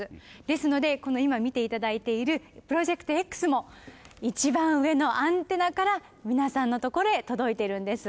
ですのでこの今見て頂いている「プロジェクトＸ」も一番上のアンテナから皆さんの所へ届いているんです。